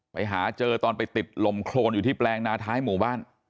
ไปเจอตอนไปติดลมโครนอยู่ที่แปลงนาท้ายหมู่บ้าน